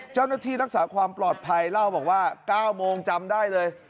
เจ้าหน้าที่รักษาความปลอดภัยเล่าบอกว่า๙โมงจำได้เลย